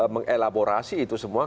mengelaborasi itu semua